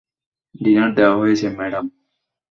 Dinner দেওয়া হয়েছে, madam.